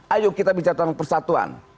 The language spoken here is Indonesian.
ayo kita bicara tentang persatuan